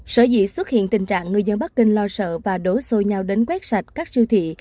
sở dĩ xuất hiện tình trạng người dân bắc kinh lo sợ và đổ xô nhau đến quét sạch các siêu thị